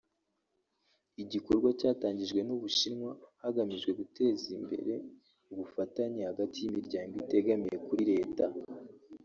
igikorwa cyatangijwe n’u Bushinwa hagamijwe guteza imbere ubufatanye hagati y’imiryango itegamiye kuri leta